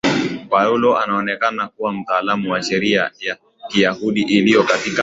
Paulo anaonekana kuwa mtaalamu wa Sheria ya Kiyahudi ilivyo katika